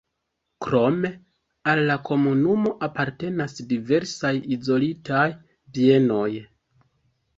Krome al la komunumo apartenas diversaj izolitaj bienoj.